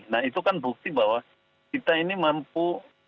nah itu kan bukti bahwa kita ini mampu